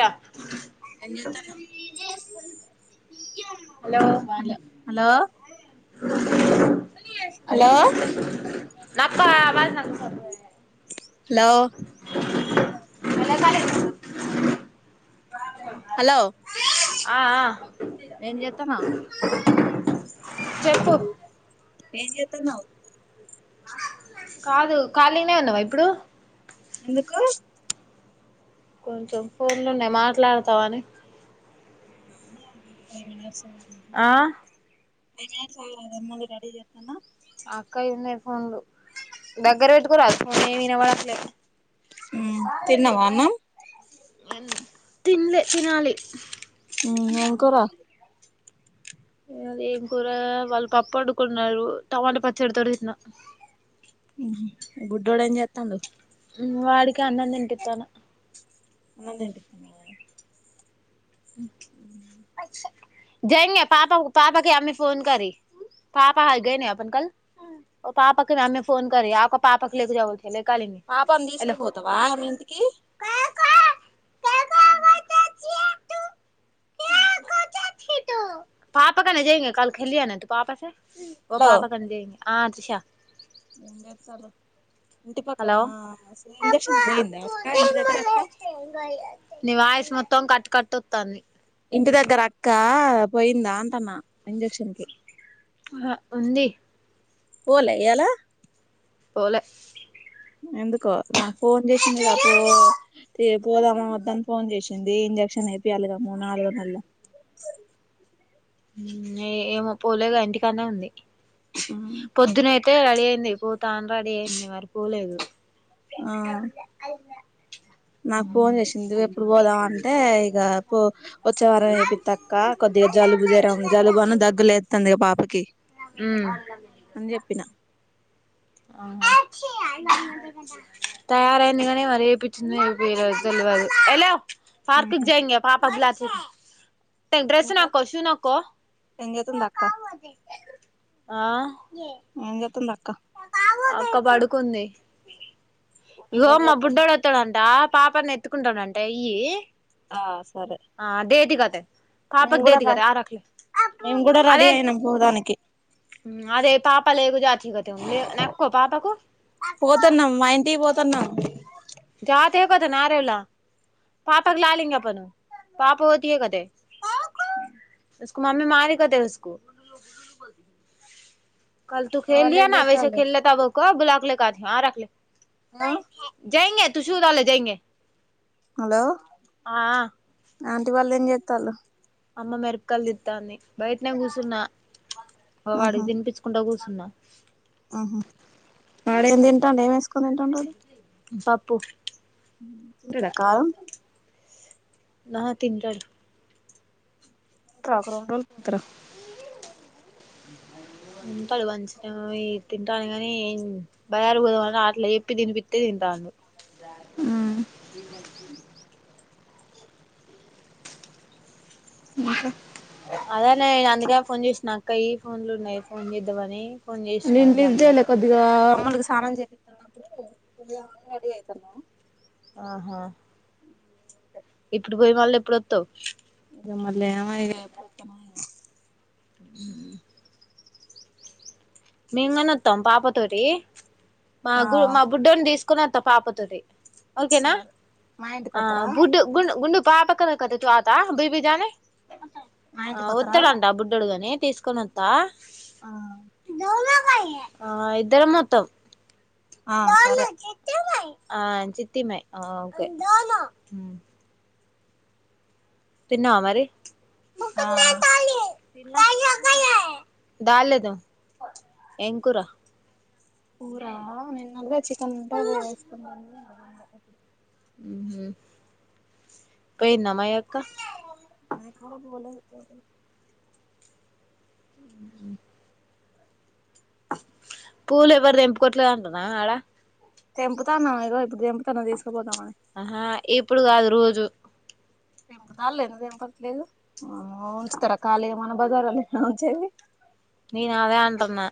hello ఏ చేస్తన్నావ్ hello అమ్మె [unintelligible] హలో వెనకాల [inaudible] హలో ఆ ఆ ఏం చెతన్నావు చెప్పు ఏం చెతున్నావు కాదు ఖాళీనే ఉన్నావా ఇప్పుడు ఎందుకు కొంచెం ఫోన్లున్నాయి మాట్లాడతావని ఫైవ్ మినిట్స్ ఆ ఫైవ్ మినిట్స్ ఆగు అమ్ముల్ని రెడీ చేస్తూన్నా అక్క ఉన్నాయి ఫోన్లు దగ్గర పెట్టుకోరాదు ఫోన్ ఎం వినబడత లేదు ఉవు తిన్నవా అన్నం తిన్లే తినాలి ఉవు ఎం కూర అది ఏం కూర వాళ్ళు పప్పు వండుకున్నారు టమాటా పచ్చడితోని తిన్న బుడ్డోడు ఎం చేత్తాండు వాడికి అన్నం తినిపితనా అన్నం తింటుందా అచ్చు [inaudible] [unintelligible] పాపనీ తీసుకుపోతావా వాళ్ళ ఇంటికి ఉహ్ ఊ వ్ [unintelligible] ఆ త్రిష ఎంచేతనావ్ ఇంటి పక్కన హలో అ ఇంజెక్షన్ పోయిందా అక్క ఇంటి దగ్గర అక్క ని వాయిస్ మొత్తం కట్టు కట్టు వత్తాంది ఇంటి దగ్గర అక్క పోయిందా అంటన్నా ఇంజక్షన్ కి ఉంది పోలే ఇయాలా పోలే ఎందుకో నాకు ఫోన్ చేసింది గా అపడు పోదామా వద్దని ఫోన్ చేసింది ఇంజక్షన్ ఏపియాలి కదా నాలుగు నెలలు ఏ ఏమో పోలేగా ఇంటికాన్నే ఉంది పొద్దున అే రెడీ అయింది పూతాని రెడీ అయింది మరి పలేదు ఆ నాకు ఫోన్ చేసిందిఎప్పుడు పోదాం అంటే ఇక పో వచ్చే వారం ఎపితక్క కొద్దిగా జలుబు చేరం జలుబాన దగ్గు లేతందిగ పాపకి అని చెప్పిన మ్ తయారయింది కాగానీ మరి ఏపిచ్చింది ఏపియలేదో తెలువదు అగలాది ఉహు ఇంకా ఏం చేతుంది అక్క [inaudible] ఎం జెతందాక్క అక్క పడుకుంది బుడ్డోడు ఇగో ఏం మా చేత్తాండు బుడ్డోడోతడంట పాపని ఎత్తుకుంటారంట ఇయ్యి ఆ సరే ఆ దది కతే మేము పాపకి కూడా దది కతే ఆ రలే మేము కూడా రెడీ అయినాం పోదానికి అదే పాప లేకు జాతికతే లే నక్కుో పాపకు తన కొద నారవలా పాపాకి ాలంగ ప పాప పోతియ కతే కు మమ్మీ మారి కదకు కల్ మా తూ ేల్ వాళ్ళు ఏం లేనా చేత్తాళ్ళు వైసేల్లేత కబ్ బులాకలే కా రకలే హలో ఆ హలో ఆ ఆంటీ వాళ్ళు ఏం చెత్తళ్ళు అమ్మ మెరుపకాయలుతితంది బయాట్నే కూర్చున్నా అగొ వాడికి తినిపించుకుంటా కూసు న్నా ఆహ వాడెం చేతండు ఏం ఏస్కో తింటాండు తింటంట అడు పప్పు ంటడా కారం ఆ తింటాడు ట్ర మరి రెండురోలు తర ఉంటాడు మంచిినే తింతాండూ కాని ఏం బయాలుకు పోదామని అట్లా ఏప్పి తినిపితె తింతాండూ హు ఇంకా అదే నే అందుకే ఫోన్ చేసిన అక్కయ ఫోన్లు ఉన్నాయి ఫోన్ చేద్దామని ఫోన్ చేసినా నిను లిఫ్ట్ ఇందాకలా చేయాలె కొద్దిగా ఆగం మిమ్మకి స్నానం చేపిస్తున్నప్పుడు రెడీ అవుతున్నాము ఆహా ఇప్పుడు పోయి మళ్ళ ఎప్పుడు వత్తావు ఇగ మళ్ళ ఏమో ఇగ ఎప్పుడోతానో అ మేము కనొతం పాప తోటి మా ఆ గు మా బుడ్డోన్ని తీస్ కూనోత పాపతోటి ఓకేనా సరే మా ఇంటికి ఆ వత్తరా బుడ్డు గు గుండ్ మా ఆ ఇంటికి వత్తరా ఒత్తడంట బుడ్డోడుగాని తీసుకొని నోత్త ఆ ఆ ఇద్దరమొత్తం ఆ సరే ఆ చితిీమై ఆ ఓకే తిన్నవ మరి ఆ తిన్న ఎం కూరా కురా నిన్నటిదే చికెన్ ఉంటే వేసుకున్న పోయింద మా అక్క ఓ ఆ పూలు ఎవర్వు తెంపుకొట్లే అంటునా ఆడ తెంపుతన్నా ఇగో ఇప్పుడు తెంపుతన తీస్ ఆహా ఇప్పుడు కాదు రోజు తెంపుతార్లె ఎందుకు తెంపట్లేదు ఉంచుతారా అక్క అళ్ళయి మన బజారలో ఇంటిన ఉంచేది నేను అదే అంటున్నా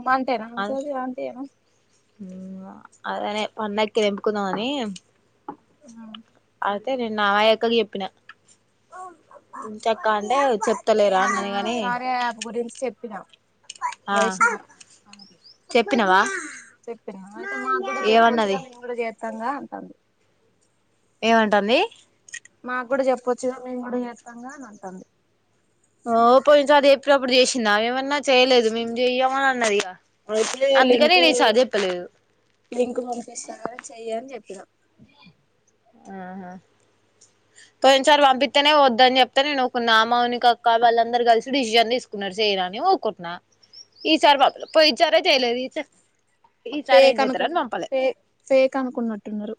ఉమంటేనా సజీ అ ఆంటి ఏన హు అదనే పండక్కి తెంపుకుందామాని ఆ నిన్న ఆ అక్కకి చెప్పిన ఉంచక్క అంటే చెప్తలేరా ఇంగో అన్నది నేను కాని కర్యా ఏప్ గురించి చెప్పినా ఆ వయసిమమ్ చెప్పినవా చెప్పినా అయితే మాకు గూడా చెప్పొచ్చుగా ఏమన్నది మేము కూడా చేస్తాంగా అంటన ఏవ్అంటంది పుచు మేము గూడా చేస్తాంగా అని అంటంది ఓ పోయినసారి చెప్పినప్పుడు చేసిందా ఏమన్నా చేయలేదు మేము చేయ్యము అని అన్నది ఇగ అయితే అందుకనే లింకు నేను ఈసారి చెప్పలేదు లింక్ పంపిస్తానని చెయ్య అని చెప్పినా అ ఆహా పోయినసారి పంపిత్తెనే వద్దని చెప్తే నుకు నా మౌనిక అక్క వాళ్ళందరు కలిసి డెసిషన్ తీసుకు నడ్ చేయ్యనని ఊక్కుట్న్ ఈసారి మత్లమ్ పోయిన్సారే చేయలేదు ఈ ఫేక్ అనుకున్న ఫే ఫేక్ అనుకున్నట్టున్నారు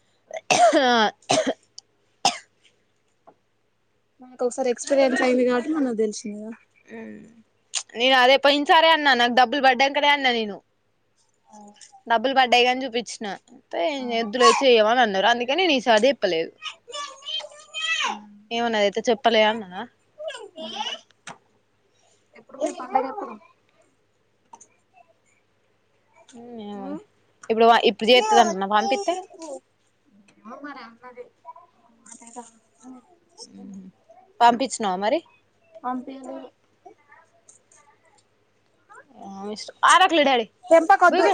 ఆ నాకు ఒకసారి ఎక్స్పీరియన్స్ అయింది కాబట్టి మన తెలిసిందిగా హ్మ్ నేను అదే పోయిన సరే అన్నా నాకు డబ్బులు పడ్డాకనేే అన్నా నేను డబ్బులు పడ్డాయని చూపించిన అయితే వద్దు లే చెయ్యమని అన్నారు అందుక్ కానీ నీ సారి చెప్పలేదు ఏమన్నాదైతే చెప్పలే అన్నాన ఎప్పుడు పోయ్ పండగప్పుడు ఏమోలే ఇప్పుడు వ ఇప్పుడు చేత్తది అంటన్నావ్ పంపిత్తె అదే అదేగ హ్మ్ హు పంపించినావా మరి పంపియలేదు అనాకలే డాడీ బోయ్ తెంపకొద్దు బో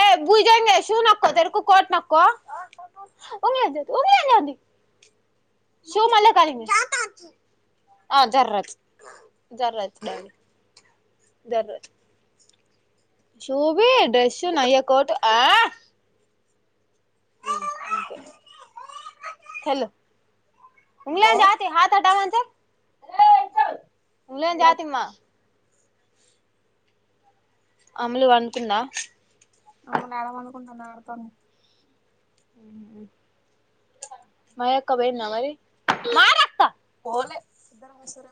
ఏ బుజాంగే శున్నక్కో తెరకు కోట్ నక్కొ ఉగ్లే దేతు ఉగ్రే జాంది ఆ శూ మళ్ళె కాలిగెస్ ఆ జర్రాచ్చ జర్ర డాలు జర్రా షూబి డ్రెస్సు నయ్య కోట్ ఆహ్ హ్మ్ ఆ కెళ్ళు హలో ఇంగ్లాన్ జాతి హతటవన్ ఇంగ్లన్ హలో జాతిమ అమ్ములు ఒనుకుంద అమ్ముల్ ఎడ ఒడుకుంటాది ఆడతాని అమ్మ మయక్కబొయింద మరి పోల్లే ఇద్దరం వస్తార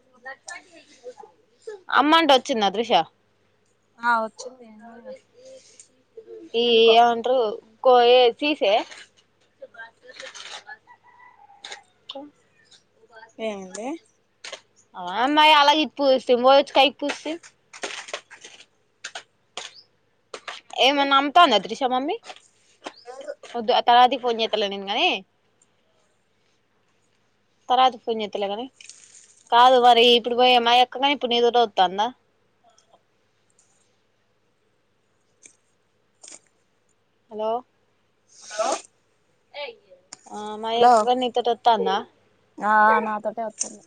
అమ్మంట వచ్చింద త్రిష అవు ఈ ఎందుకో ఏమంటారు కో ఏ సీసే క ఏంది ఆ అమ్మాయి అలాగ ఇది పూస్తే మోచ్చు కాయకి పూస్తే ఈమె నమతా నా ద్రిస్ మమ్మీ వద్దు ఆ తర్వాతి ఫోన్ చేస్తలే నేను కాని తర్వాత ఫోన్ చెత్తలెగానీ కాదు మరి ఇప్పుడు పోయ మా అక్కగానీ ఇప్పుడు నీతోటి వత్తాందా హలో హలో అయ్యో హలో ఆ నా తోటే వత్తుంది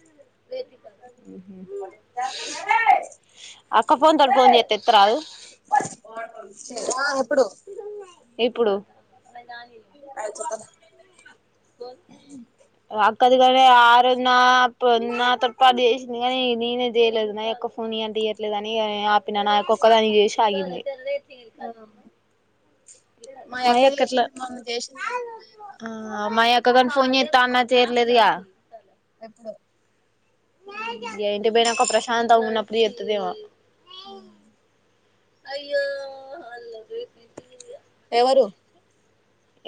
అక్క ఫోన్ తోటి ఫోన్ చేత్త ఎత్త రాదు ఎప్పుడు ఇప్పుడు చెప్తాను ఆ అదిగానే అరుణ నాతో పాటు చేసింది కానీ నేనే చేయలేదు మా యొక్క ఫోన్ ఇయ్ అంటే ఇయ్యట్లేదుని ఆపినాన ఒక్కొక్క దానికి చేసి ఆగింది మా అక్క యక్క ఎట్లా చేసింది మమ చేసిందిక మా అక్క కదా ఫోన్ చేత్త అన్నది చేయలేదుగా ఎప్పుడు ఇంటికి పోయినాక ప్రశాంతంగా ఉన్నప్పుడు చేత్తదేమో ఉమ్ అయ్యో [unintelligible] ఎవరు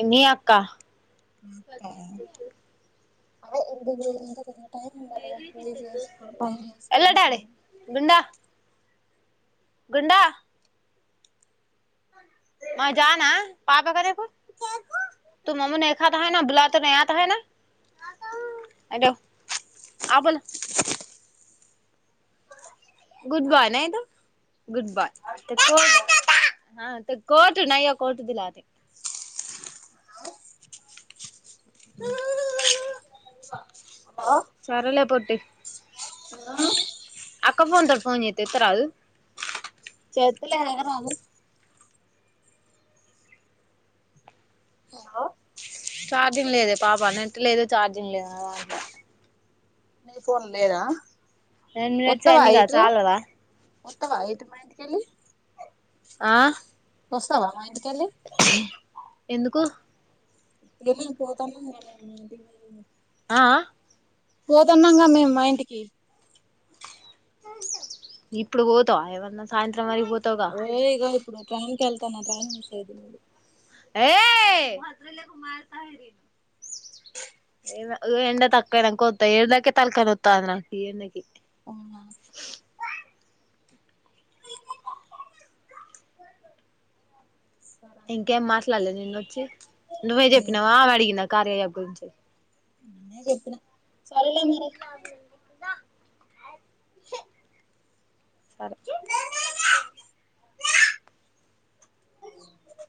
ఏంది అక్క ఉమ్ ఉ [unintelligible] టైమ్ ఉండాలి కదా అవి చేసుకుని పని ఎల్ల చేసుకుని డాడీ గుండా గుండా మా జానా పాప [unintelligible] తూ మమ్ము నాయ్ ఖాతా బోలాతా మై ఆతా హై నా ఆత హూ ఆ బోలో good bye night good bye ఆ కోట్ నయా కోర్టు దిలాది ఆ సరేలే పొట్టి ఆ అక్క ఫోన్ తోటి ఫోన్ చెత్త ఎత్తరాదు చేత్తులే ఎగనాదు ఆ ఛార్జింగ్ లేదే పాప నెట్ లేదు చార్జింగ్ లేదు అ నీ ఫోన్ లేదా టెన్ మినిట్స్ అయింది ఇగ చాలదా ఒత్తవ అయితే మా ఇంటికెళ్ళి ఆ వస్తావా మా ఇంటికి ఎందుకు ఏమైంది పోత అన్నారు కదా మీ ఇంటికి ఆ పోతున్నాంగా మేము మా ఇంటికి ఇప్పుడు పోతవ ఏమన్నా సాయంత్రం వరకు పోత లే ఇక ఇప్పుడు ట్రైన్ క వెళ్తాను ట్రైన్ మిస్ అయితది ఏ ఏ ఎండ తక్కవాయినాక ఒత్త ఎండకి తల్కనొత్తా ది నాకి ఈ ఎండకి అవునా సరేలే ఇంకేం మాట్లాడలే నిన్న వచ్చి నువ్వే మరి చెప్పినావా ఆమె అడిగుండా ఆ కార్యా అప్ గురించి [unintelligible] చెప్పిన సరేలే మరి సరే